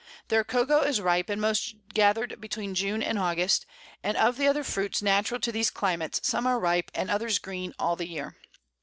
Their Cocoa is ripe, and mostly gather'd between June and August, and of the other Fruits natural to these Climates, some are ripe and others green all the Year.